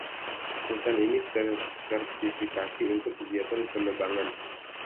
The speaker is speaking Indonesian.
Hutan ini tersertifikasi untuk kegiatan penebangan.